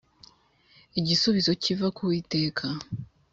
igisubizo kiva ku uwiteka